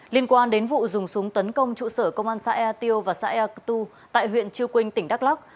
liên quan đến vụ dùng súng tấn công trụ sở công an xã e tiêu và xã e tu tại huyện chư quynh tỉnh đắk lắc